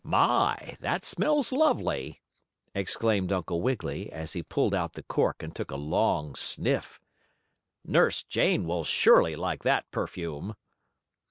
"My! That smells lovely!" exclaimed Uncle Wiggily, as he pulled out the cork, and took a long sniff. "Nurse Jane will surely like that perfume!"